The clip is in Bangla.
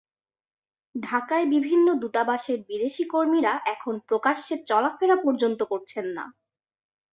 ঢাকায় বিভিন্ন দূতাবাসের বিদেশি কর্মীরা এখন প্রকাশ্যে চলাফেরা পর্যন্ত করছেন না।